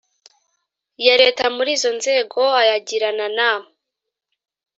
Ya leta muri izo nzego ayagirana na